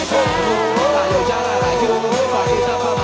esok hari kita kembali bekerja